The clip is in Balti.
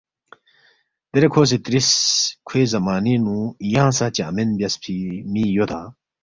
دیرے کھو سی ترِس، ”کھوے زمانِنگ نُو ینگ سہ چنگمین بیاسفی می یودا؟“